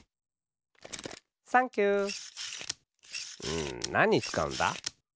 うんなににつかうんだ？